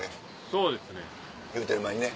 そうですね。